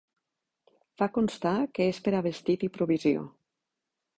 Fa constar que és per a vestit i provisió.